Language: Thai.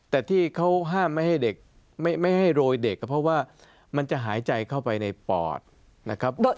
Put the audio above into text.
แต่ที่เขาห้ามไม่ให้เด็กไม่ให้โรยเด็กก็เพราะว่ามันจะหายใจเข้าไปในปอดนะครับ